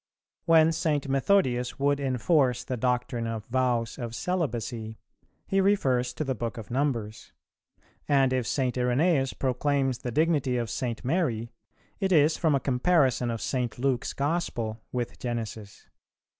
[339:2] When St. Methodius would enforce the doctrine of vows of celibacy, he refers to the book of Numbers; and if St. Irenæus proclaims the dignity of St. Mary, it is from a comparison of St. Luke's Gospel with Genesis.